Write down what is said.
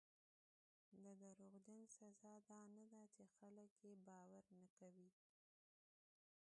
د دروغجن سزا دا نه ده چې خلک یې باور نه کوي.